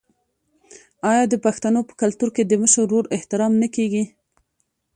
آیا د پښتنو په کلتور کې د مشر ورور احترام نه کیږي؟